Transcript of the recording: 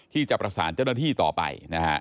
ที่จะประสานเจ้าหน้าที่ต่อไปนะฮะ